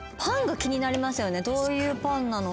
どういうパンなのか。